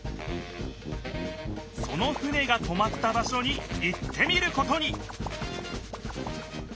その船がとまった場所に行ってみることに！